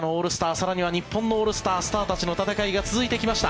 更には日本のオールスタースターたちの戦いが続いてきました。